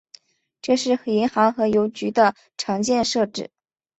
这是银行和邮局的常见设置。